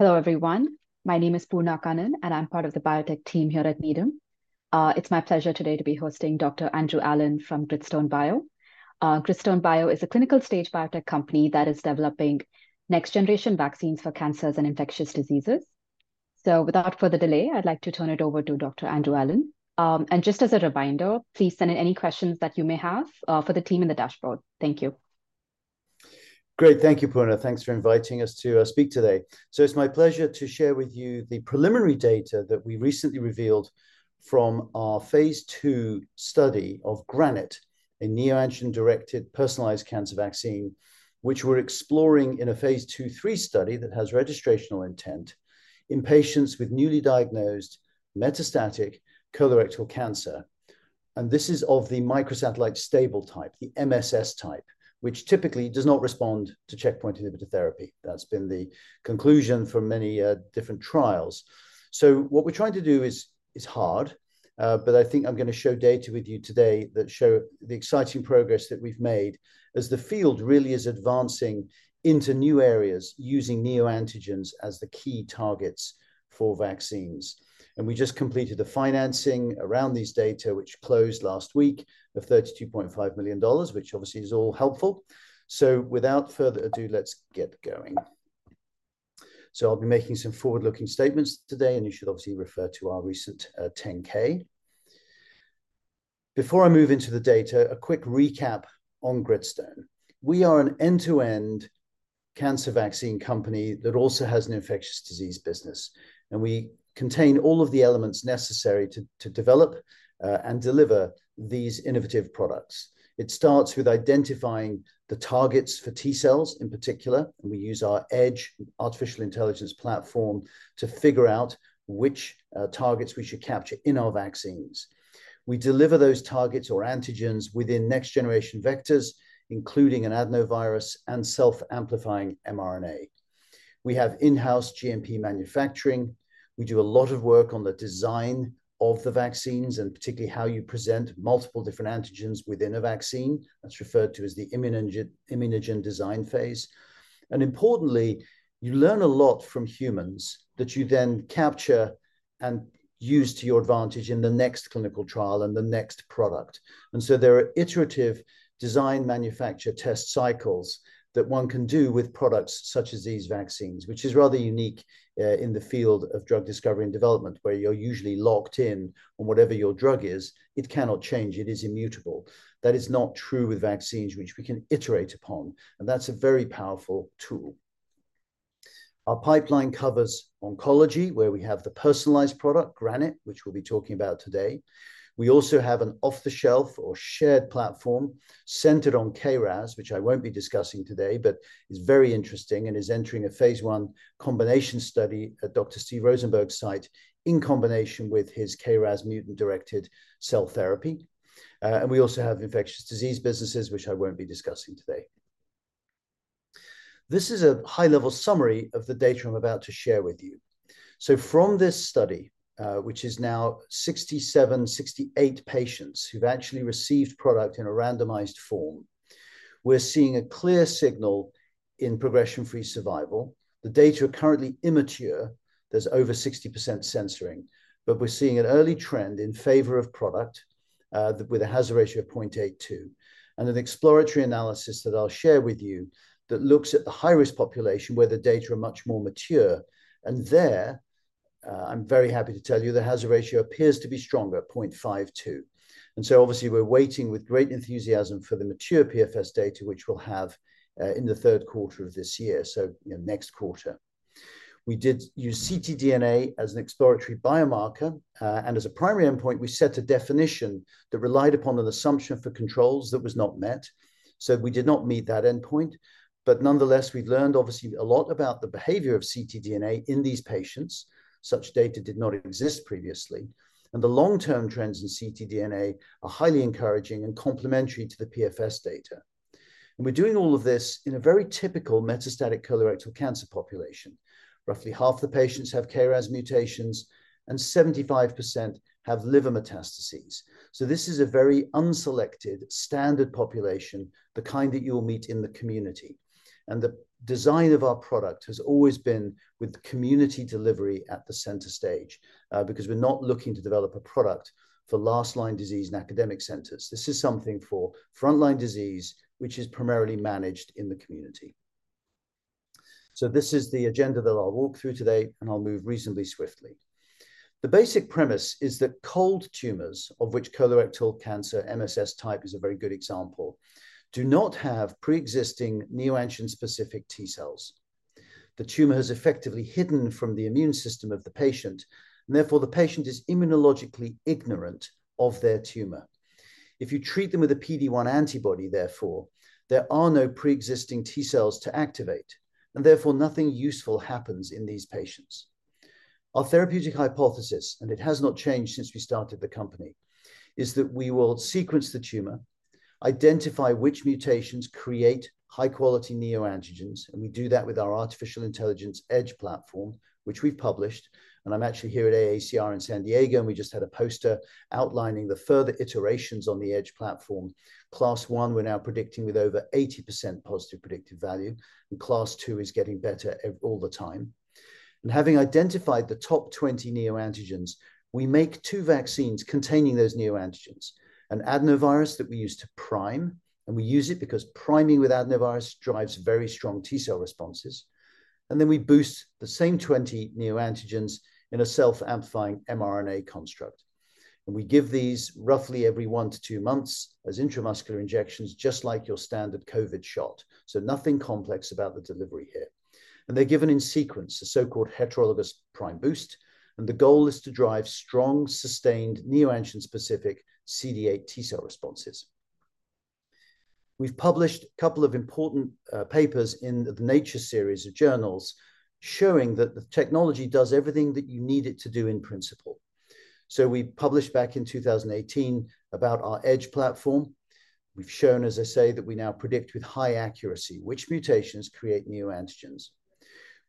Hello everyone, my name is Poorna Kannan and I'm part of the Biotech team here at Needham. It's my pleasure today to be hosting Dr. Andrew Allen from Gritstone bio. Gritstone bio is a clinical-stage biotech company that is developing next-generation vaccines for cancers and infectious diseases. So without further delay, I'd like to turn it over to Dr. Andrew Allen. Just as a reminder, please send in any questions that you may have for the team in the dashboard. Thank you. Great, thank you Poorna, thanks for inviting us to speak today. So it's my pleasure to share with you the preliminary data that we recently revealed from our phase II study of GRANITE, a neoantigen-directed personalized cancer vaccine, which we're exploring in a phase II/III study that has registrational intent in patients with newly diagnosed metastatic colorectal cancer. And this is of the microsatellite stable type, the MSS type, which typically does not respond to checkpoint inhibitor therapy. That's been the conclusion for many different trials. So what we're trying to do is hard, but I think I'm going to show data with you today that show the exciting progress that we've made as the field really is advancing into new areas using neoantigens as the key targets for vaccines. We just completed the financing around these data, which closed last week of $32.5 million, which obviously is all helpful. So without further ado, let's get going. So I'll be making some forward-looking statements today, and you should obviously refer to our recent 10-K. Before I move into the data, a quick recap on Gritstone. We are an end-to-end cancer vaccine company that also has an infectious disease business, and we contain all of the elements necessary to develop and deliver these innovative products. It starts with identifying the targets for T cells in particular, and we use our EDGE artificial intelligence platform to figure out which targets we should capture in our vaccines. We deliver those targets or antigens within next-generation vectors, including an adenovirus and self-amplifying mRNA. We have in-house GMP manufacturing. We do a lot of work on the design of the vaccines and particularly how you present multiple different antigens within a vaccine. That's referred to as the immunogen design phase. Importantly, you learn a lot from humans that you then capture and use to your advantage in the next clinical trial and the next product. So there are iterative design manufacture test cycles that one can do with products such as these vaccines, which is rather unique, in the field of drug discovery and development where you are usually locked in on whatever your drug is. It cannot change. It is immutable. That is not true with vaccines, which we can iterate upon. That's a very powerful tool. Our pipeline covers oncology, where we have the personalized product GRANITE, which we'll be talking about today. We also have an off-the-shelf or shared platform centered on KRAS, which I won't be discussing today, but is very interesting and is entering a phase I combination study at Dr. Steven Rosenberg's site in combination with his KRAS mutant-directed cell therapy. And we also have infectious disease businesses, which I won't be discussing today. This is a high-level summary of the data I'm about to share with you. So from this study, which is now 67, 68 patients who've actually received product in a randomized form, we're seeing a clear signal in progression-free survival. The data are currently immature. There's over 60% censoring, but we're seeing an early trend in favor of product, with a hazard ratio of 0.82 and an exploratory analysis that I'll share with you that looks at the high-risk population where the data are much more mature. And there, I'm very happy to tell you the hazard ratio appears to be stronger at 0.52. And so obviously we're waiting with great enthusiasm for the mature PFS data, which we'll have, in the third quarter of this year. So, you know, next quarter we did use ctDNA as an exploratory biomarker, and as a primary endpoint, we set a definition that relied upon an assumption for controls that was not met. So we did not meet that endpoint. But nonetheless, we've learned obviously a lot about the behavior of ctDNA in these patients. Such data did not exist previously. And the long-term trends in ctDNA are highly encouraging and complementary to the PFS data. And we're doing all of this in a very typical metastatic colorectal cancer population. Roughly half the patients have KRAS mutations and 75% have liver metastases. So this is a very unselected standard population, the kind that you'll meet in the community. And the design of our product has always been with community delivery at the center stage, because we're not looking to develop a product for last-line disease in academic centers. This is something for front-line disease, which is primarily managed in the community. So this is the agenda that I'll walk through today, and I'll move reasonably swiftly. The basic premise is that cold tumors, of which colorectal cancer MSS type is a very good example, do not have pre-existing neoantigen-specific T cells. The tumor has effectively hidden from the immune system of the patient, and therefore the patient is immunologically ignorant of their tumor. If you treat them with a PD-1 antibody, therefore there are no pre-existing T cells to activate, and therefore nothing useful happens in these patients. Our therapeutic hypothesis, and it has not changed since we started the company, is that we will sequence the tumor, identify which mutations create high-quality neoantigens. We do that with our artificial intelligence EDGE platform, which we've published. I'm actually here at AACR in San Diego, and we just had a poster outlining the further iterations on the EDGE platform. Class I, we're now predicting with over 80% positive predictive value, and Class II is getting better every all the time. Having identified the top 20 neoantigens, we make two vaccines containing those neoantigens, an adenovirus that we use to prime, and we use it because priming with adenovirus drives very strong T cell responses. Then we boost the same 20 neoantigens in a self-amplifying mRNA construct. We give these roughly every one to two months as intramuscular injections, just like your standard COVID shot, so nothing complex about the delivery here. And they're given in sequence, a so-called heterologous prime boost. And the goal is to drive strong, sustained neoantigen-specific CD8 T cell responses. We've published a couple of important papers in the Nature series of journals showing that the technology does everything that you need it to do in principle. So we published back in 2018 about our EDGE platform. We've shown, as I say, that we now predict with high accuracy which mutations create neoantigens.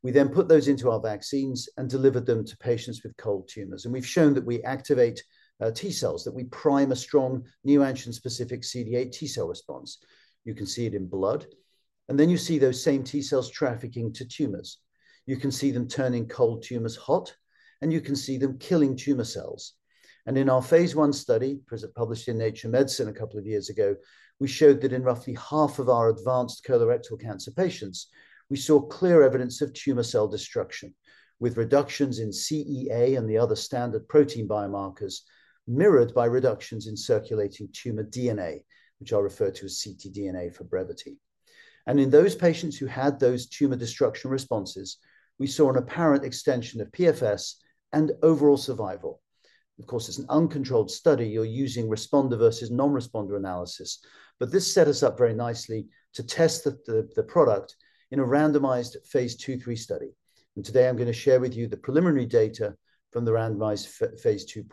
We then put those into our vaccines and delivered them to patients with cold tumors. And we've shown that we activate T cells, that we prime a strong neoantigen-specific CD8 T cell response. You can see it in blood. And then you see those same T cells trafficking to tumors. You can see them turning cold tumors hot, and you can see them killing tumor cells. In our phase I study published in Nature Medicine a couple of years ago, we showed that in roughly half of our advanced colorectal cancer patients, we saw clear evidence of tumor cell destruction with reductions in CEA and the other standard protein biomarkers mirrored by reductions in circulating tumor DNA, which I'll refer to as ctDNA for brevity. In those patients who had those tumor destruction responses, we saw an apparent extension of PFS and overall survival. Of course, it's an uncontrolled study. You are using responder versus non-responder analysis, but this set us up very nicely to test the product in a randomized phase II/III study. Today I'm going to share with you the preliminary data from the randomized phase II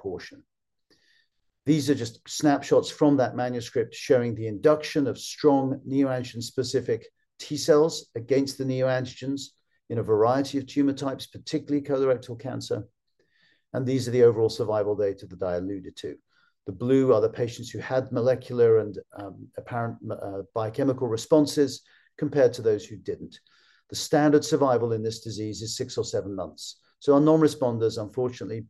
portion. These are just snapshots from that manuscript showing the induction of strong neoantigen-specific T cells against the neoantigens in a variety of tumor types, particularly colorectal cancer. These are the overall survival data that I alluded to. The blue are the patients who had molecular and, apparent, biochemical responses compared to those who didn't. The standard survival in this disease is six or seven months. Our non-responders, unfortunately,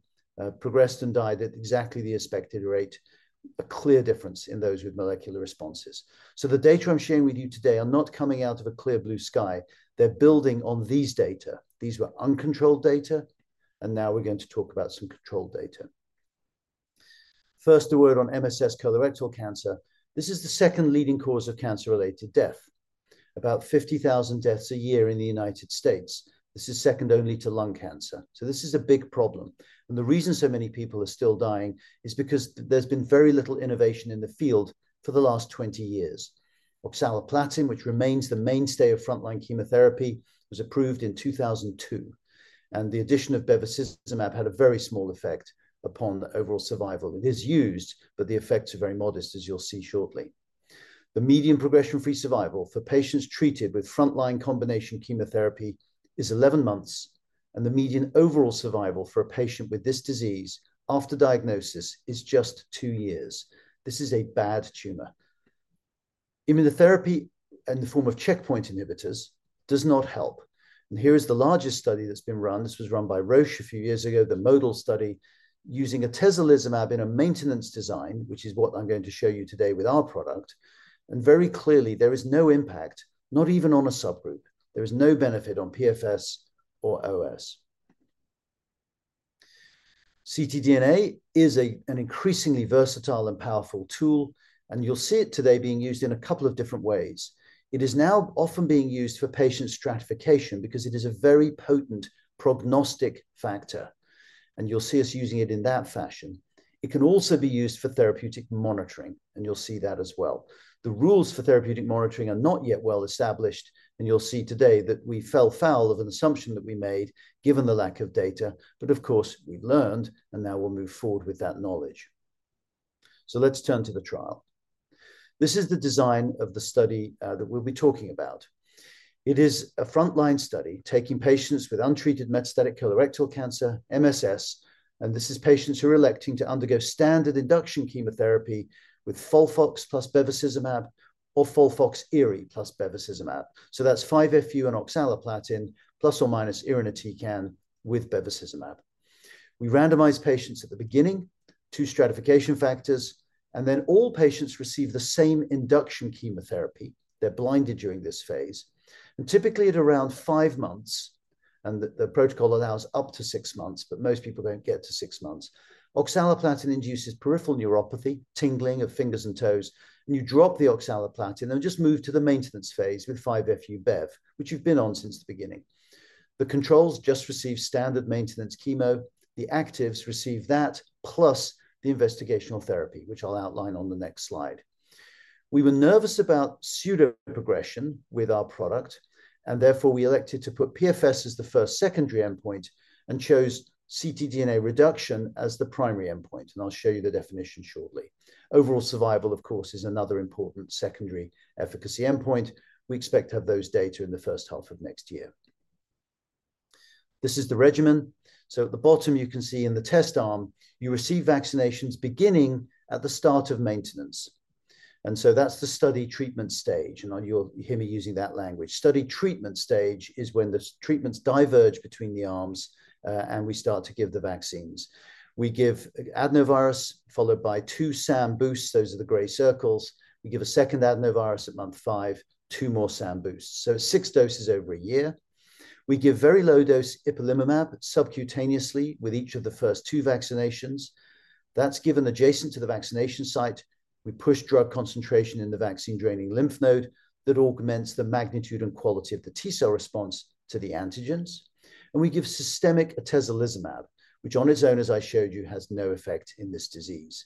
progressed and died at exactly the expected rate, a clear difference in those with molecular responses. The data I'm sharing with you today are not coming out of a clear blue sky. They're building on these data. These were uncontrolled data. Now we're going to talk about some controlled data. First, a word on MSS colorectal cancer. This is the second leading cause of cancer-related death, about 50,000 deaths a year in the United States. This is second only to lung cancer. So this is a big problem. The reason so many people are still dying is because there's been very little innovation in the field for the last 20 years. Oxaliplatin, which remains the mainstay of front-line chemotherapy, was approved in 2002, and the addition of bevacizumab had a very small effect upon the overall survival. It is used, but the effects are very modest, as you'll see shortly. The median progression-free survival for patients treated with front-line combination chemotherapy is 11 months, and the median overall survival for a patient with this disease after diagnosis is just two years. This is a bad tumor. Immunotherapy in the form of checkpoint inhibitors does not help. Here is the largest study that's been run. This was run by Roche a few years ago, the IMblaze370 study using atezolizumab in a maintenance design, which is what I'm going to show you today with our product. And very clearly, there is no impact, not even on a subgroup. There is no benefit on PFS or OS. ctDNA is an increasingly versatile and powerful tool, and you'll see it today being used in a couple of different ways. It is now often being used for patient stratification because it is a very potent prognostic factor, and you'll see us using it in that fashion. It can also be used for therapeutic monitoring, and you'll see that as well. The rules for therapeutic monitoring are not yet well established, and you'll see today that we fell foul of an assumption that we made given the lack of data. But of course, we've learned, and now we'll move forward with that knowledge. So let's turn to the trial. This is the design of the study, that we'll be talking about. It is a front-line study taking patients with untreated metastatic colorectal cancer, MSS, and this is patients who are electing to undergo standard induction chemotherapy with FOLFOX plus bevacizumab or FOLFOXIRI plus bevacizumab. So that's 5-FU and oxaliplatin plus or minus irinotecan, with bevacizumab. We randomized patients at the beginning, two stratification factors, and then all patients receive the same induction chemotherapy. They're blinded during this phase, and typically at around five months, and the protocol allows up to six months, but most people don't get to six months. Oxaliplatin induces peripheral neuropathy, tingling of fingers and toes, and you drop the oxaliplatin and just move to the maintenance phase with 5-FU/bev, which you've been on since the beginning. The controls just receive standard maintenance chemo. The actives receive that plus the investigational therapy, which I'll outline on the next slide. We were nervous about pseudo-progression with our product, and therefore we elected to put PFS as the first secondary endpoint and chose ctDNA reduction as the primary endpoint. I'll show you the definition shortly. Overall survival, of course, is another important secondary efficacy endpoint. We expect to have those data in the first half of next year. This is the regimen. At the bottom, you can see in the test arm, you receive vaccinations beginning at the start of maintenance. That's the study treatment stage. On your, you hear me using that language. Study treatment stage is when the treatments diverge between the arms, and we start to give the vaccines. We give adenovirus followed by two SAM boosts. Those are the grey circles. We give a second adenovirus at month five, two more SAM boosts. So six doses over a year. We give very low-dose ipilimumab subcutaneously with each of the first two vaccinations. That's given adjacent to the vaccination site. We push drug concentration in the vaccine-draining lymph node that augments the magnitude and quality of the T cell response to the antigens. And we give systemic atezolizumab, which on its own, as I showed you, has no effect in this disease.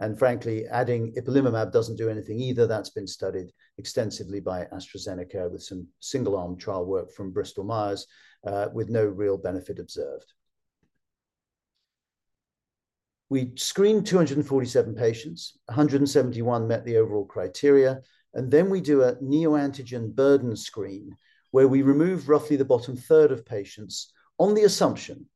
And frankly, adding ipilimumab doesn't do anything either. That's been studied extensively by AstraZeneca with some single-arm trial work from Bristol Myers, with no real benefit observed. We screen 247 patients. 171 met the overall criteria. Then we do a neoantigen burden screen where we remove roughly the bottom third of patients on the assumption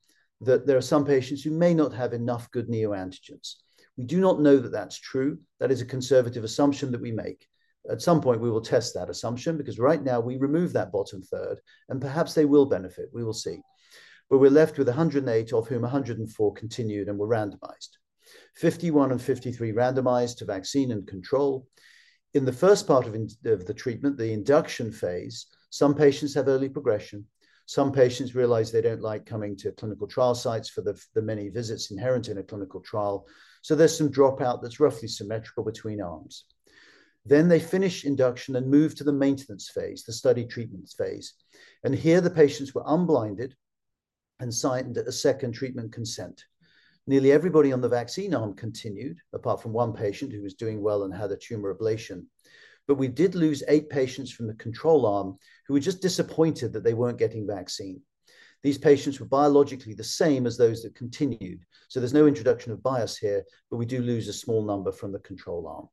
that there are some patients who may not have enough good neoantigens. We do not know that that's true. That is a conservative assumption that we make. At some point, we will test that assumption because right now we remove that bottom third, and perhaps they will benefit. We will see. But we're left with 108, of whom 104 continued, and were randomized. 51 and 53 randomized to vaccine and control. In the first part of the treatment, the induction phase, some patients have early progression. Some patients realize they don't like coming to clinical trial sites for the many visits inherent in a clinical trial. So there's some dropout that's roughly symmetrical between arms. Then they finish induction and move to the maintenance phase, the study treatment phase. Here the patients were unblinded and signed a second treatment consent. Nearly everybody on the vaccine arm continued, apart from one patient who was doing well and had a tumor ablation. We did lose eight patients from the control arm who were just disappointed that they weren't getting vaccine. These patients were biologically the same as those that continued. There's no introduction of bias here, but we do lose a small number from the control arm.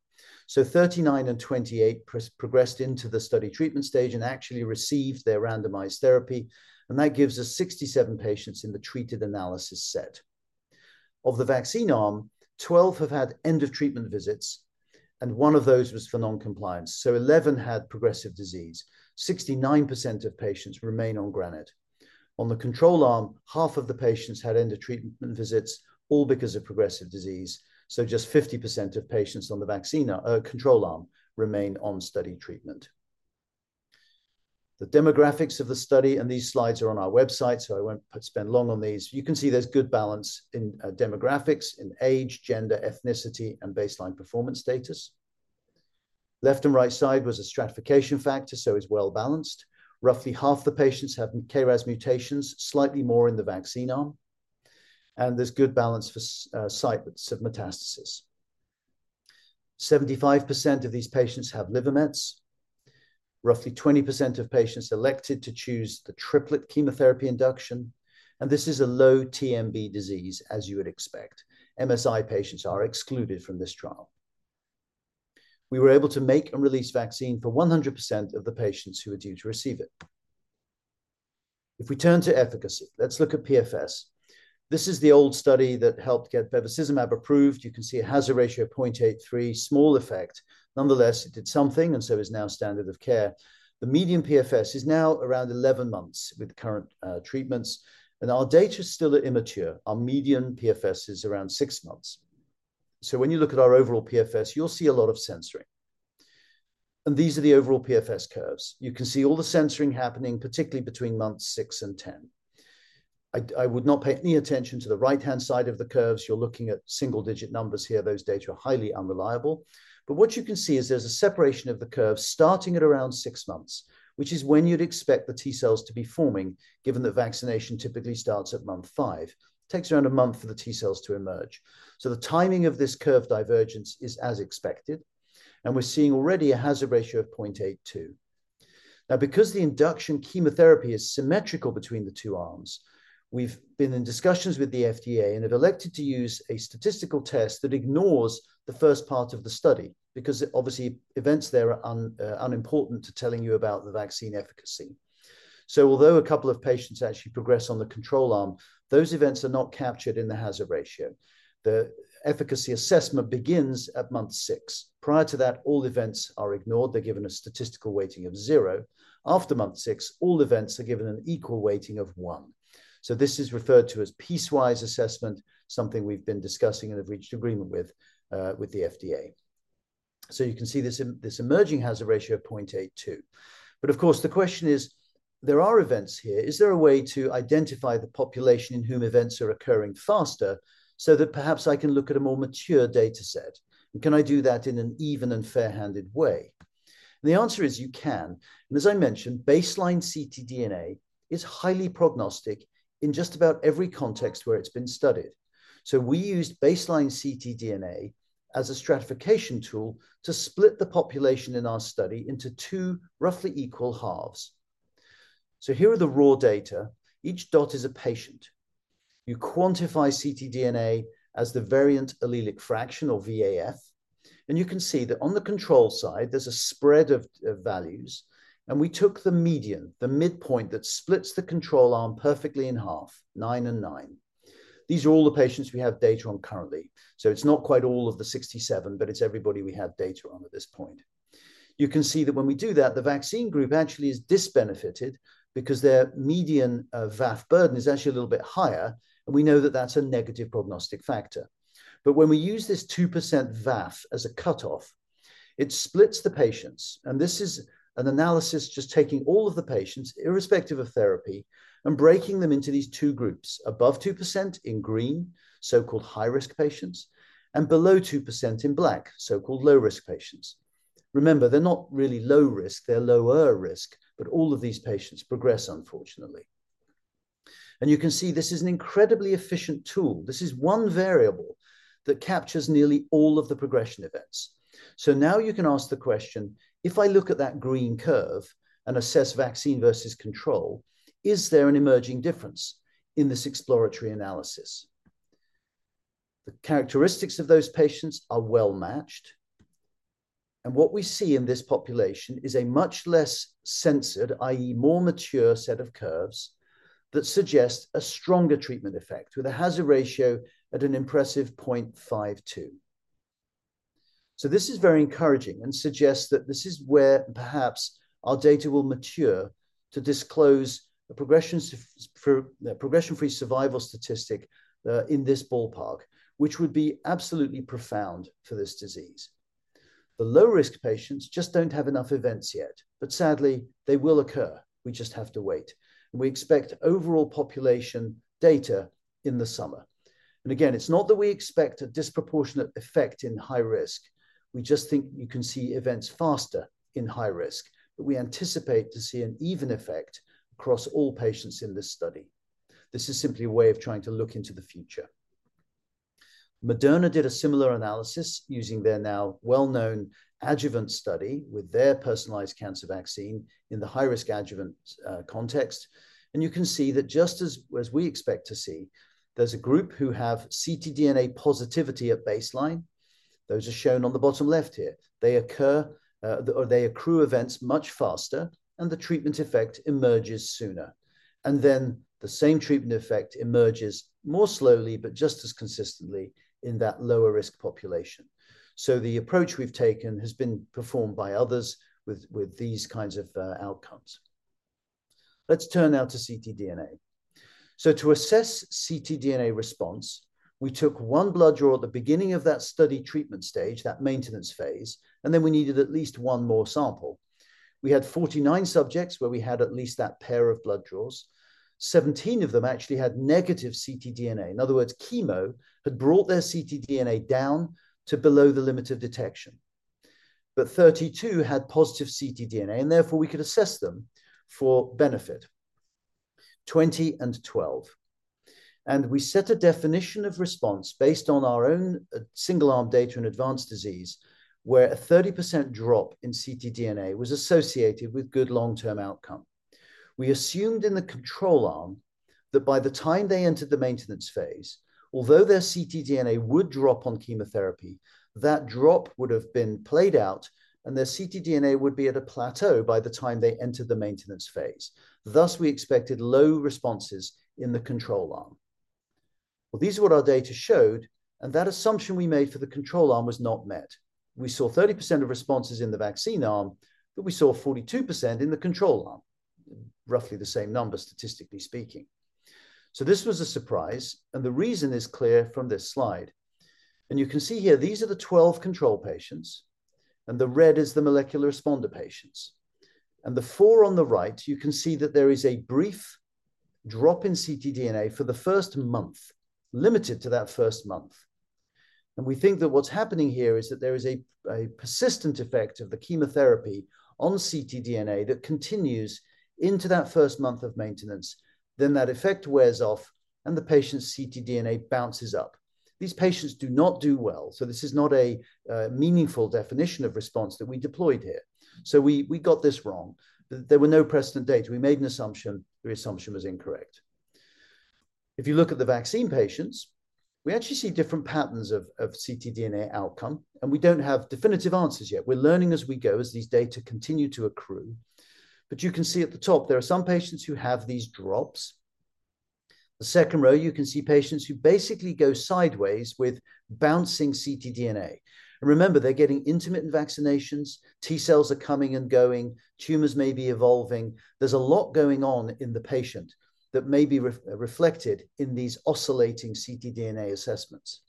39 and 28 progressed into the study treatment stage and actually received their randomized therapy. That gives us 67 patients in the treated analysis set. Of the vaccine arm, 12 have had end-of-treatment visits, and one of those was for non-compliance. 11 had progressive disease. 69% of patients remain on GRANITE. On the control arm, half of the patients had end-of-treatment visits, all because of progressive disease. So just 50% of patients on the vaccine, control arm remain on study treatment. The demographics of the study and these slides are on our website, so I won't spend long on these. You can see there's good balance in demographics, in age, gender, ethnicity, and baseline performance status. Left and right side was a stratification factor, so it's well balanced. Roughly half the patients have KRAS mutations, slightly more in the vaccine arm, and there's good balance for sites of metastasis. 75% of these patients have liver mets. Roughly 20% of patients elected to choose the triplet chemotherapy induction. This is a low-TMB disease, as you would expect. MSI patients are excluded from this trial. We were able to make and release vaccine for 100% of the patients who are due to receive it. If we turn to efficacy, let's look at PFS. This is the old study that helped get bevacizumab approved. You can see a hazard ratio of 0.83, small effect. Nonetheless, it did something, and so is now standard of care. The median PFS is now around 11 months with the current treatments, and our data is still immature. Our median PFS is around six months. So when you look at our overall PFS, you'll see a lot of censoring. These are the overall PFS curves. You can see all the censoring happening, particularly between months six and 10. I would not pay any attention to the right-hand side of the curves. You're looking at single-digit numbers here. Those data are highly unreliable. But what you can see is there's a separation of the curve starting at around six months, which is when you'd expect the T cells to be forming, given that vaccination typically starts at month five. It takes around a month for the T cells to emerge. So the timing of this curve divergence is as expected, and we're seeing already a hazard ratio of 0.82. Now, because the induction chemotherapy is symmetrical between the two arms, we've been in discussions with the FDA, and it elected to use a statistical test that ignores the first part of the study because obviously events there are unimportant to telling you about the vaccine efficacy. So although a couple of patients actually progress on the control arm, those events are not captured in the hazard ratio. The efficacy assessment begins at month six. Prior to that, all events are ignored. They're given a statistical weighting of zero. After month six, all events are given an equal weighting of one. This is referred to as piecewise assessment, something we've been discussing and have reached agreement with the FDA. You can see this emerging hazard ratio of 0.82. But of course, the question is, there are events here. Is there a way to identify the population in whom events are occurring faster so that perhaps I can look at a more mature data set? Can I do that in an even and fair-handed way? The answer is you can. As I mentioned, baseline ctDNA is highly prognostic in just about every context where it's been studied. We used baseline ctDNA as a stratification tool to split the population in our study into two roughly equal halves. Here are the raw data. Each dot is a patient. You quantify ctDNA as the variant allelic fraction or VAF, and you can see that on the control side, there's a spread of values, and we took the median, the midpoint that splits the control arm perfectly in half, nine and nine. These are all the patients we have data on currently. So it's not quite all of the 67, but it's everybody we have data on at this point. You can see that when we do that, the vaccine group actually is disbenefitted because their median VAF burden is actually a little bit higher, and we know that that's a negative prognostic factor. But when we use this 2% VAF as a cutoff, it splits the patients. This is an analysis just taking all of the patients, irrespective of therapy, and breaking them into these two groups: above 2% in green, so-called high-risk patients, and below 2% in black, so-called low-risk patients. Remember, they're not really low-risk. They're lower-risk, but all of these patients progress, unfortunately. You can see this is an incredibly efficient tool. This is one variable that captures nearly all of the progression events. Now you can ask the question, if I look at that green curve and assess vaccine versus control, is there an emerging difference in this exploratory analysis? The characteristics of those patients are well matched, and what we see in this population is a much less censored, i.e., more mature set of curves that suggest a stronger treatment effect with a hazard ratio at an impressive 0.52. So this is very encouraging and suggests that this is where perhaps our data will mature to disclose a progression-free survival statistic, in this ballpark, which would be absolutely profound for this disease. The low-risk patients just don't have enough events yet, but sadly, they will occur. We just have to wait, and we expect overall population data in the summer. And again, it's not that we expect a disproportionate effect in high risk. We just think you can see events faster in high risk, but we anticipate to see an even effect across all patients in this study. This is simply a way of trying to look into the future. Moderna did a similar analysis using their now well-known adjuvant study with their personalized cancer vaccine in the high-risk adjuvant context. You can see that just as, as we expect to see, there's a group who have ctDNA positivity at baseline. Those are shown on the bottom left here. They occur, or they accrue events much faster, and the treatment effect emerges sooner. And then the same treatment effect emerges more slowly, but just as consistently in that lower-risk population. The approach we've taken has been performed by others with, with these kinds of, outcomes. Let's turn now to ctDNA. To assess ctDNA response, we took one blood draw at the beginning of that study treatment stage, that maintenance phase, and then we needed at least one more sample. We had 49 subjects where we had at least that pair of blood draws. 17 of them actually had negative ctDNA. In other words, chemo had brought their ctDNA down to below the limit of detection, but 32 had positive ctDNA, and therefore we could assess them for benefit. 20 and 12. And we set a definition of response based on our own single-arm data in advanced disease, where a 30% drop in ctDNA was associated with good long-term outcome. We assumed in the control arm that by the time they entered the maintenance phase, although their ctDNA would drop on chemotherapy, that drop would have been played out and their ctDNA would be at a plateau by the time they entered the maintenance phase. Thus, we expected low responses in the control arm. Well, these are what our data showed, and that assumption we made for the control arm was not met. We saw 30% of responses in the vaccine arm, but we saw 42% in the control arm, roughly the same numbers, statistically speaking. So this was a surprise, and the reason is clear from this slide. You can see here, these are the 12 control patients, and the red is the molecular responder patients. The four on the right, you can see that there is a brief drop in ctDNA for the first month, limited to that first month. We think that what's happening here is that there is a persistent effect of the chemotherapy on ctDNA that continues into that first month of maintenance. Then that effect wears off, and the patient's ctDNA bounces up. These patients do not do well. So this is not a meaningful definition of response that we deployed here. So we got this wrong. There were no precedent data. We made an assumption. The assumption was incorrect. If you look at the vaccine patients, we actually see different patterns of ctDNA outcome, and we don't have definitive answers yet. We're learning as we go as these data continue to accrue. But you can see at the top, there are some patients who have these drops. The second row, you can see patients who basically go sideways with bouncing ctDNA. And remember, they're getting intermittent vaccinations. T cells are coming and going. Tumors may be evolving. There's a lot going on in the patient that may be reflected in these oscillating ctDNA assessments.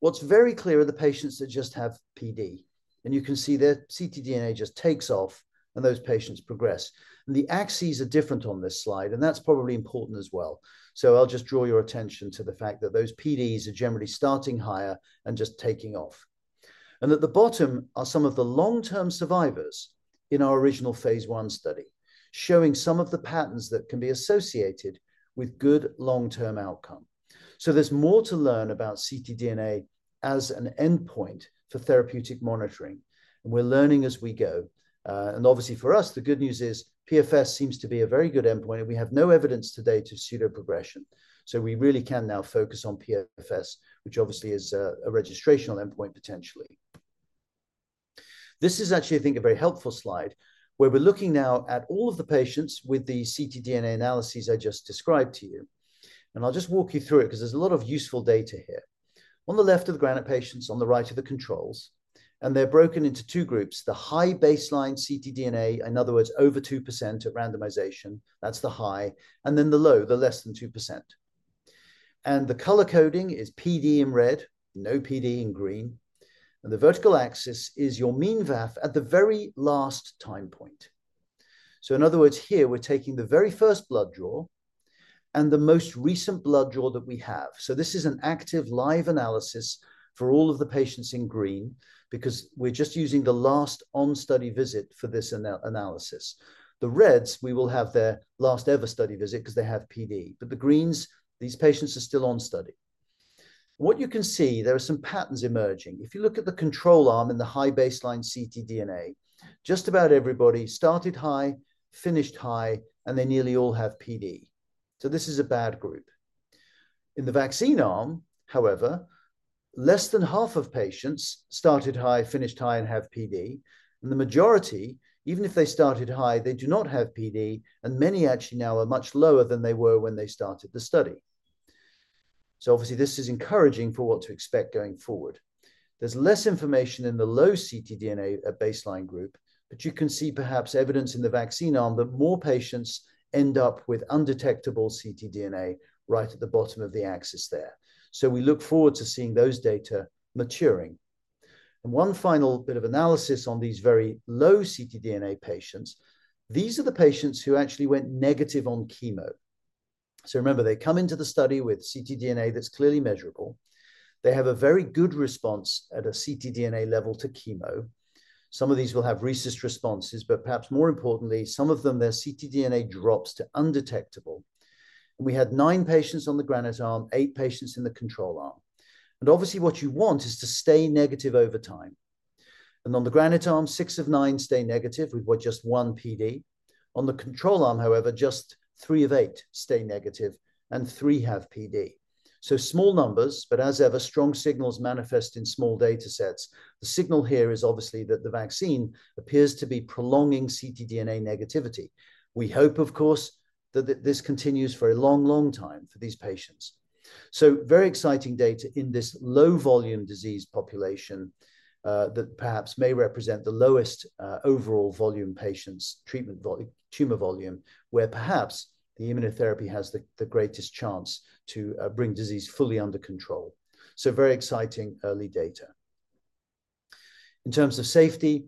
What's very clear are the patients that just have PD, and you can see their ctDNA just takes off and those patients progress. And the axes are different on this slide, and that's probably important as well. So I'll just draw your attention to the fact that those PDs are generally starting higher and just taking off. At the bottom are some of the long-term survivors in our original phase I study, showing some of the patterns that can be associated with good long-term outcome. There's more to learn about ctDNA as an endpoint for therapeutic monitoring, and we're learning as we go. Obviously for us, the good news is PFS seems to be a very good endpoint, and we have no evidence today to pseudo-progression. We really can now focus on PFS, which obviously is a registrational endpoint potentially. This is actually, I think, a very helpful slide where we're looking now at all of the patients with the ctDNA analyses I just described to you. I'll just walk you through it because there's a lot of useful data here. On the left are the GRANITE patients, on the right are the controls, and they're broken into two groups: the high baseline ctDNA, in other words, over 2% at randomization. That's the high, and then the low, the less than 2%. The color coding is PD in red, no PD in green, and the vertical axis is your mean VAF at the very last time point. So, in other words, here we're taking the very first blood draw and the most recent blood draw that we have. So this is an active, live analysis for all of the patients in green because we're just using the last on-study visit for this analysis. The reds, we will have their last ever study visit because they have PD, but the greens, these patients are still on study. What you can see, there are some patterns emerging. If you look at the control arm in the high baseline ctDNA, just about everybody started high, finished high, and they nearly all have PD. So this is a bad group. In the vaccine arm, however, less than half of patients started high, finished high, and have PD, and the majority, even if they started high, they do not have PD, and many actually now are much lower than they were when they started the study. So obviously this is encouraging for what to expect going forward. There's less information in the low ctDNA at baseline group, but you can see perhaps evidence in the vaccine arm that more patients end up with undetectable ctDNA right at the bottom of the axis there. So we look forward to seeing those data maturing. And one final bit of analysis on these very low ctDNA patients. These are the patients who actually went negative on chemo. So remember, they come into the study with ctDNA that's clearly measurable. They have a very good response at a ctDNA level to chemo. Some of these will have residual responses, but perhaps more importantly, some of them, their ctDNA drops to undetectable. And we had nine patients on the GRANITE arm, eight patients in the control arm. And obviously what you want is to stay negative over time. And on the GRANITE arm, six of nine stay negative with what, just 1 PD. On the control arm, however, just three of eight stay negative and three have PD. So small numbers, but as ever, strong signals manifest in small data sets. The signal here is obviously that the vaccine appears to be prolonging ctDNA negativity. We hope, of course, that this continues for a long, long time for these patients. So very exciting data in this low volume disease population, that perhaps may represent the lowest overall volume patients treatment volume tumor volume, where perhaps the immunotherapy has the greatest chance to bring disease fully under control. So very exciting early data. In terms of safety,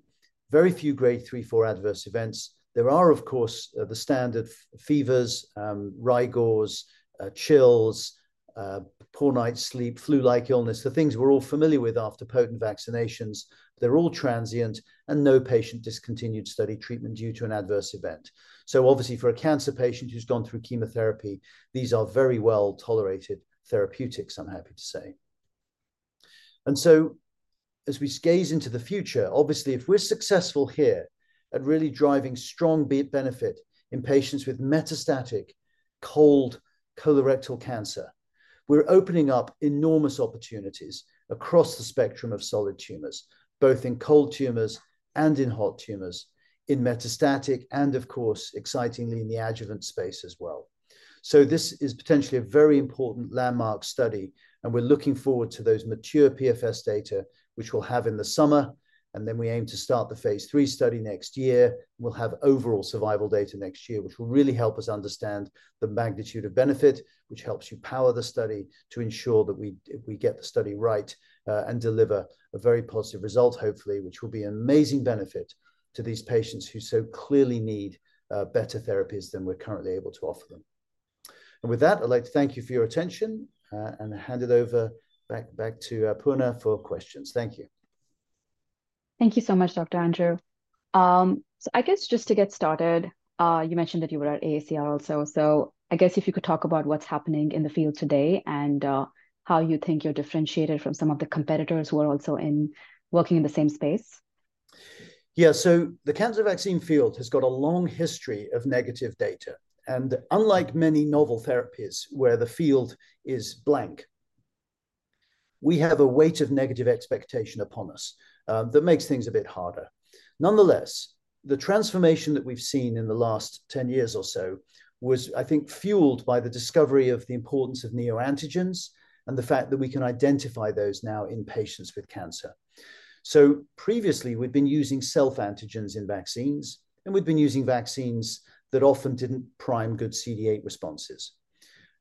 very few grade 3/4 adverse events. There are, of course, the standard fevers, rigors, chills, poor night's sleep, flu-like illness, the things we're all familiar with after potent vaccinations. They're all transient and no patient discontinued study treatment due to an adverse event. So obviously for a cancer patient who's gone through chemotherapy, these are very well tolerated therapeutics, I'm happy to say. So, as we gaze into the future, obviously if we're successful here at really driving strong benefit in patients with metastatic cold colorectal cancer, we're opening up enormous opportunities across the spectrum of solid tumors, both in cold tumors and in hot tumors, in metastatic and, of course, excitingly, in the adjuvant space as well. So this is potentially a very important landmark study, and we're looking forward to those mature PFS data, which we'll have in the summer. Then we aim to start the phase III study next year. We'll have overall survival data next year, which will really help us understand the magnitude of benefit, which helps you power the study to ensure that we get the study right and deliver a very positive result, hopefully, which will be an amazing benefit to these patients who so clearly need better therapies than we're currently able to offer them. And with that, I'd like to thank you for your attention and hand it over back, back to Poorna for questions. Thank you. Thank you so much, Dr. Andrew. So I guess just to get started, you mentioned that you were at AACR also. So I guess if you could talk about what's happening in the field today and, how you think you're differentiated from some of the competitors who are also in working in the same space. Yeah. So the cancer vaccine field has got a long history of negative data. And unlike many novel therapies where the field is blank, we have a weight of negative expectation upon us that makes things a bit harder. Nonetheless, the transformation that we've seen in the last 10 years or so was, I think, fueled by the discovery of the importance of neoantigens and the fact that we can identify those now in patients with cancer. So previously we'd been using self-antigens in vaccines, and we'd been using vaccines that often didn't prime good CD8 responses.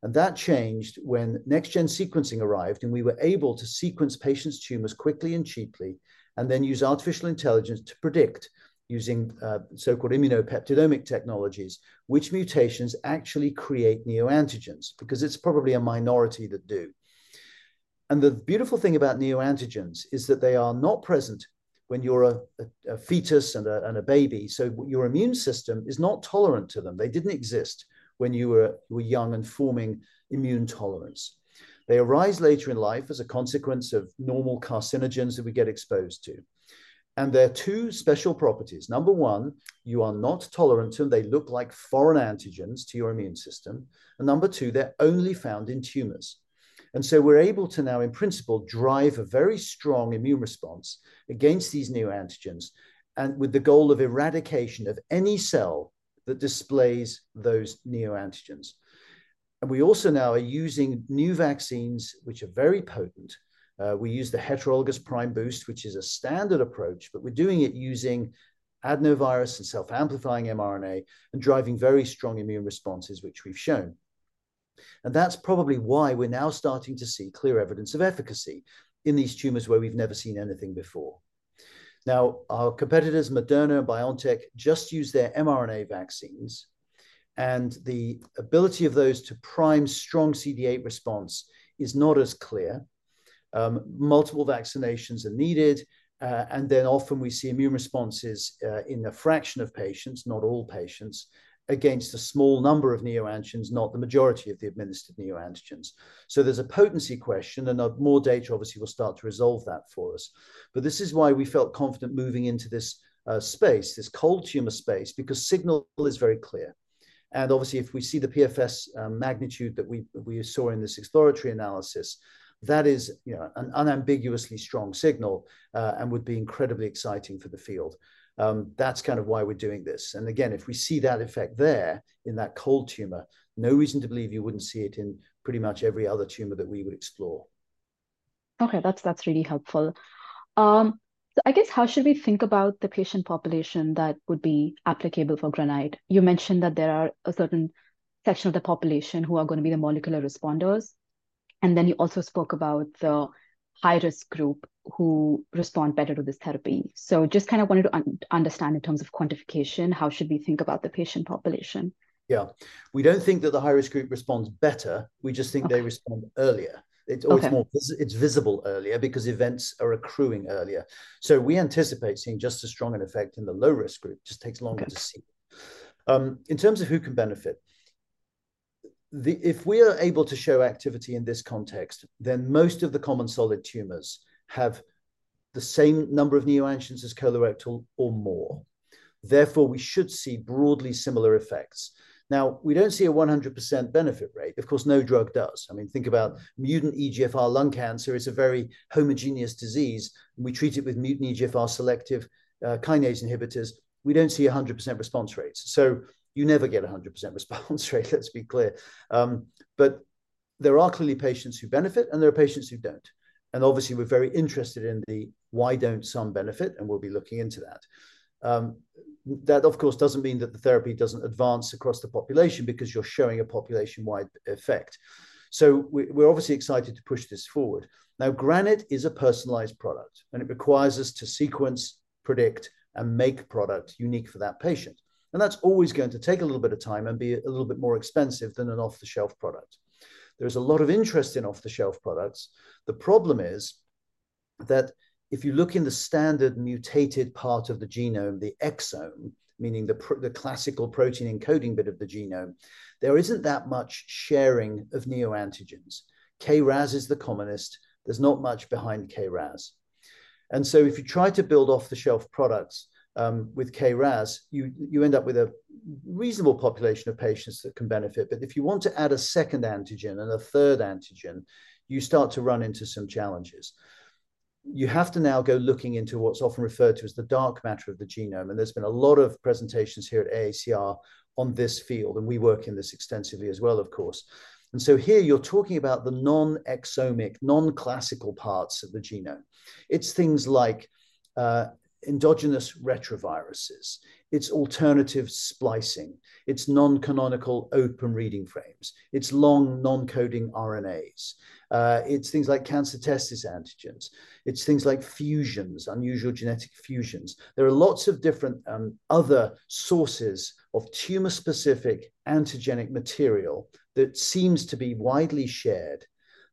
And that changed when next-gen sequencing arrived and we were able to sequence patients' tumors quickly and cheaply and then use artificial intelligence to predict using so-called immunopeptidomic technologies, which mutations actually create neoantigens, because it's probably a minority that do. The beautiful thing about neoantigens is that they are not present when you're a fetus and a baby. So your immune system is not tolerant to them. They didn't exist when you were young and forming immune tolerance. They arise later in life as a consequence of normal carcinogens that we get exposed to. There are two special properties. Number one, you are not tolerant to them. They look like foreign antigens to your immune system. Number two, they're only found in tumors. So we're able to now, in principle, drive a very strong immune response against these neoantigens and with the goal of eradication of any cell that displays those neoantigens. We also now are using new vaccines, which are very potent. We use the heterologous prime boost, which is a standard approach, but we're doing it using adenovirus and self-amplifying mRNA and driving very strong immune responses, which we've shown. And that's probably why we're now starting to see clear evidence of efficacy in these tumors where we've never seen anything before. Now, our competitors, Moderna and BioNTech, just use their mRNA vaccines, and the ability of those to prime strong CD8 response is not as clear. Multiple vaccinations are needed, and then often we see immune responses, in a fraction of patients, not all patients, against a small number of neoantigens, not the majority of the administered neoantigens. So there's a potency question, and more data obviously will start to resolve that for us. But this is why we felt confident moving into this, space, this cold tumor space, because signal is very clear. And obviously, if we see the PFS magnitude that we saw in this exploratory analysis, that is, you know, an unambiguously strong signal and would be incredibly exciting for the field. That's kind of why we're doing this. And again, if we see that effect there in that cold tumor, no reason to believe you wouldn't see it in pretty much every other tumor that we would explore. Okay. That's, that's really helpful. So I guess how should we think about the patient population that would be applicable for GRANITE? You mentioned that there are a certain section of the population who are going to be the molecular responders. And then you also spoke about the high-risk group who respond better to this therapy. So just kind of wanted to understand in terms of quantification, how should we think about the patient population? Yeah. We don't think that the high-risk group responds better. We just think they respond earlier. It's always more, it's visible earlier because events are accruing earlier. So we anticipate seeing just as strong an effect in the low-risk group. It just takes longer to see. In terms of who can benefit, if we are able to show activity in this context, then most of the common solid tumors have the same number of neoantigens as colorectal or more. Therefore, we should see broadly similar effects. Now, we don't see a 100% benefit rate. Of course, no drug does. I mean, think about mutant EGFR lung cancer. It's a very homogeneous disease. We treat it with mutant EGFR selective kinase inhibitors. We don't see a 100% response rate. So you never get a 100% response rate. Let's be clear. But there are clearly patients who benefit and there are patients who don't. And obviously we're very interested in the why don't some benefit? And we'll be looking into that. That of course doesn't mean that the therapy doesn't advance across the population because you're showing a population-wide effect. So we're obviously excited to push this forward. Now, GRANITE is a personalized product and it requires us to sequence, predict, and make product unique for that patient. And that's always going to take a little bit of time and be a little bit more expensive than an off-the-shelf product. There's a lot of interest in off-the-shelf products. The problem is that if you look in the standard mutated part of the genome, the exome, meaning the classical protein encoding bit of the genome, there isn't that much sharing of neoantigens. KRAS is the commonest. There's not much behind KRAS. And so if you try to build off-the-shelf products, with KRAS, you end up with a reasonable population of patients that can benefit. But if you want to add a second antigen and a third antigen, you start to run into some challenges. You have to now go looking into what's often referred to as the dark matter of the genome. And there's been a lot of presentations here at AACR on this field, and we work in this extensively as well, of course. And so here you're talking about the non-exomic, non-classical parts of the genome. It's things like, endogenous retroviruses. It's alternative splicing. It's non-canonical open reading frames. It's long non-coding RNAs. It's things like cancer testis antigens. It's things like fusions, unusual genetic fusions. There are lots of different, other sources of tumor-specific antigenic material that seems to be widely shared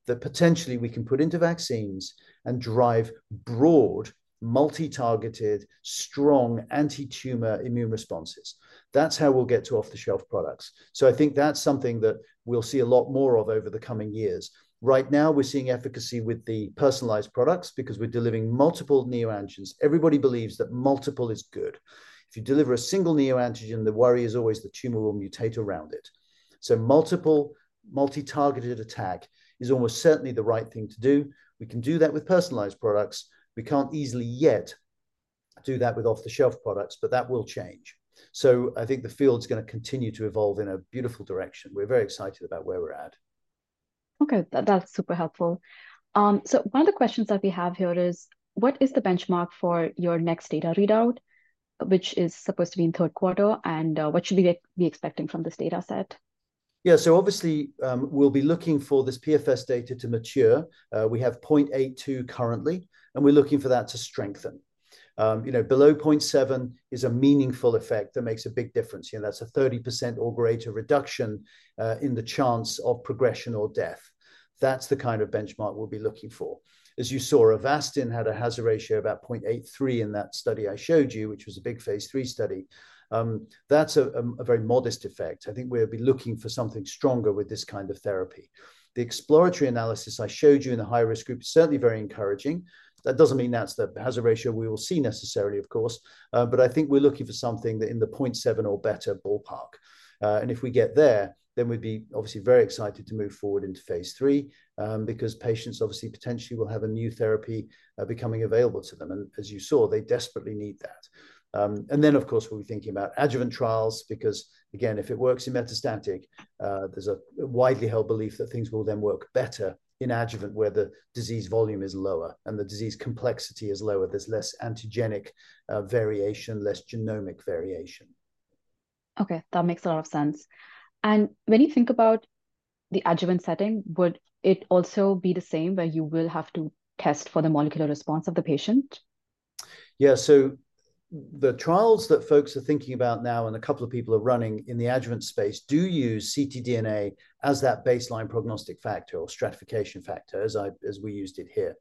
that potentially we can put into vaccines and drive broad, multi-targeted, strong anti-tumor immune responses. That's how we'll get to off-the-shelf products. So I think that's something that we'll see a lot more of over the coming years. Right now we're seeing efficacy with the personalized products because we're delivering multiple neoantigens. Everybody believes that multiple is good. If you deliver a single neoantigen, the worry is always the tumor will mutate around it. So multiple, multi-targeted attack is almost certainly the right thing to do. We can do that with personalized products. We can't easily yet do that with off-the-shelf products, but that will change. So I think the field's going to continue to evolve in a beautiful direction. We're very excited about where we're at. Okay. That's super helpful. So one of the questions that we have here is, what is the benchmark for your next data readout, which is supposed to be in third quarter? And, what should we be expecting from this data set? Yeah. So obviously, we'll be looking for this PFS data to mature. We have 0.82 currently, and we're looking for that to strengthen. You know, below 0.7 is a meaningful effect that makes a big difference. You know, that's a 30% or greater reduction, in the chance of progression or death. That's the kind of benchmark we'll be looking for. As you saw, Avastin had a hazard ratio about 0.83 in that study I showed you, which was a big phase III study. That's a very modest effect. I think we'll be looking for something stronger with this kind of therapy. The exploratory analysis I showed you in the high-risk group is certainly very encouraging. That doesn't mean that's the hazard ratio we will see necessarily, of course. But I think we're looking for something that in the 0.7 or better ballpark. And if we get there, then we'd be obviously very excited to move forward into phase III, because patients obviously potentially will have a new therapy becoming available to them. And as you saw, they desperately need that. And then, of course, we'll be thinking about adjuvant trials because, again, if it works in metastatic, there's a widely held belief that things will then work better in adjuvant where the disease volume is lower and the disease complexity is lower. There's less antigenic variation, less genomic variation. Okay. That makes a lot of sense. And when you think about the adjuvant setting, would it also be the same where you will have to test for the molecular response of the patient? Yeah. So the trials that folks are thinking about now and a couple of people are running in the adjuvant space do use ctDNA as that baseline prognostic factor or stratification factor, as I, as we used it here.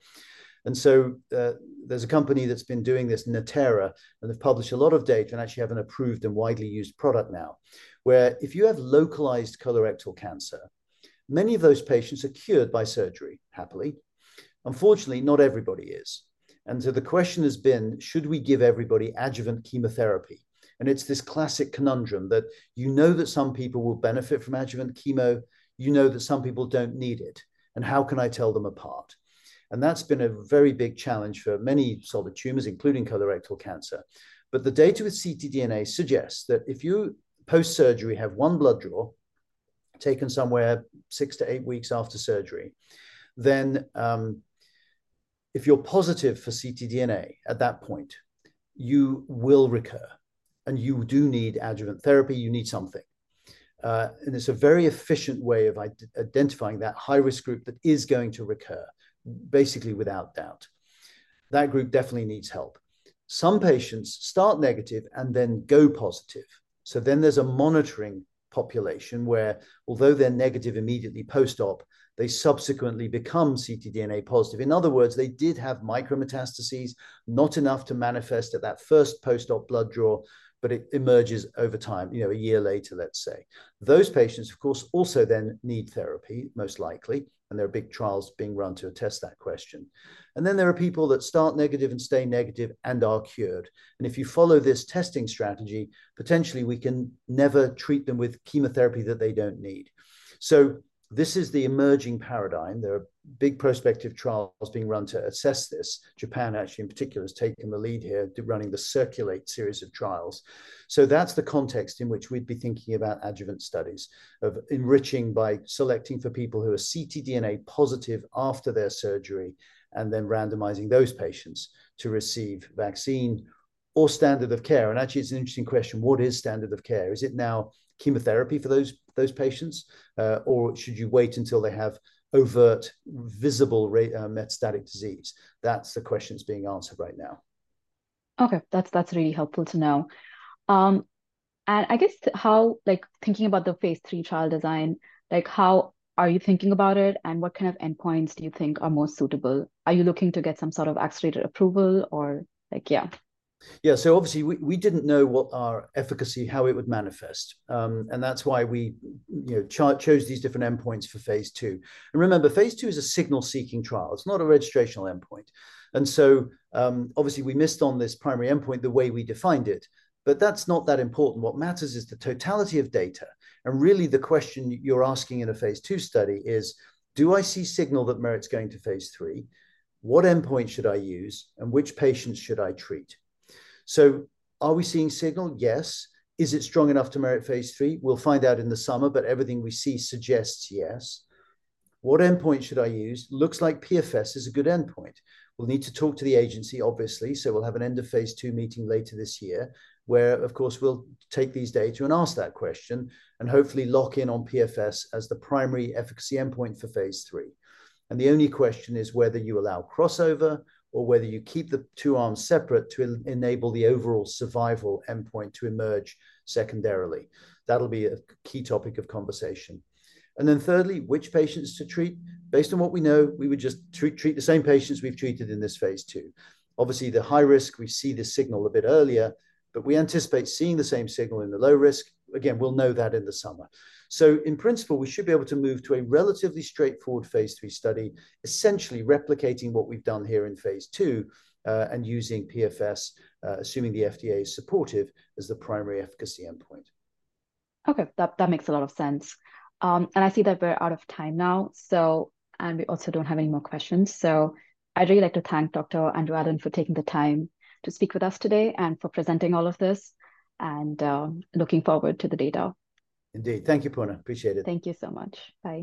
And so, there's a company that's been doing this, Natera, and they've published a lot of data and actually have an approved and widely used product now where if you have localized colorectal cancer, many of those patients are cured by surgery, happily. Unfortunately, not everybody is. And so the question has been, should we give everybody adjuvant chemotherapy? And it's this classic conundrum that you know that some people will benefit from adjuvant chemo. You know that some people don't need it. And how can I tell them apart? And that's been a very big challenge for many solid tumors, including colorectal cancer. But the data with ctDNA suggests that if you post-surgery have one blood draw taken somewhere six to eight weeks after surgery, then, if you're positive for ctDNA at that point, you will recur and you do need adjuvant therapy. You need something. And it's a very efficient way of identifying that high-risk group that is going to recur basically without doubt. That group definitely needs help. Some patients start negative and then go positive. So then there's a monitoring population where, although they're negative immediately post-op, they subsequently become ctDNA positive. In other words, they did have micrometastases, not enough to manifest at that first post-op blood draw, but it emerges over time, you know, a year later, let's say. Those patients, of course, also then need therapy most likely, and there are big trials being run to attest that question. And then there are people that start negative and stay negative and are cured. And if you follow this testing strategy, potentially we can never treat them with chemotherapy that they don't need. So this is the emerging paradigm. There are big prospective trials being run to assess this. Japan, actually, in particular, has taken the lead here, running the CIRCULATE series of trials. So that's the context in which we'd be thinking about adjuvant studies of enriching by selecting for people who are ctDNA positive after their surgery and then randomizing those patients to receive vaccine or standard of care. And actually, it's an interesting question. What is standard of care? Is it now chemotherapy for those patients, or should you wait until they have overt, visible metastatic disease? That's the question that's being answered right now. Okay. That's really helpful to know. I guess how, like thinking about the phase III trial design, like how are you thinking about it and what kind of endpoints do you think are most suitable? Are you looking to get some sort of accelerated approval or like, yeah. Yeah. So obviously we didn't know what our efficacy, how it would manifest. That's why we, you know, chose these different endpoints for phase II. And remember, phase II is a signal-seeking trial. It's not a registrational endpoint. And so, obviously we missed on this primary endpoint the way we defined it, but that's not that important. What matters is the totality of data. Really the question you're asking in a phase II study is, do I see signal that merits going to phase III? What endpoint should I use and which patients should I treat? So are we seeing signal? Yes. Is it strong enough to merit phase III? We'll find out in the summer, but everything we see suggests yes. What endpoint should I use? Looks like PFS is a good endpoint. We'll need to talk to the agency, obviously. So we'll have an end of phase II meeting later this year where, of course, we'll take these data and ask that question and hopefully lock in on PFS as the primary efficacy endpoint for phase III. And the only question is whether you allow crossover or whether you keep the two arms separate to enable the overall survival endpoint to emerge secondarily. That'll be a key topic of conversation. And then thirdly, which patients to treat based on what we know, we would just treat the same patients we've treated in this phase II. Obviously, the high risk, we see the signal a bit earlier, but we anticipate seeing the same signal in the low risk. Again, we'll know that in the summer. So in principle, we should be able to move to a relatively straightforward phase III study, essentially replicating what we've done here in phase II, and using PFS, assuming the FDA is supportive as the primary efficacy endpoint. Okay. That, that makes a lot of sense. And I see that we're out of time now. So, and we also don't have any more questions. So I'd really like to thank Dr. Andrew Allen for taking the time to speak with us today and for presenting all of this and, looking forward to the data. Indeed. Thank you, Poorna. Appreciate it. Thank you so much. Bye.